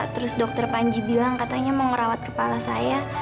terus dr panji bilang katanya mau ngerawat kepala saya